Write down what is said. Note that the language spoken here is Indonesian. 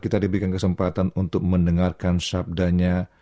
kita diberikan kesempatan untuk mendengarkan syabdanya